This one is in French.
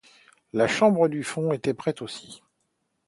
La chambre du fond était prête aussi.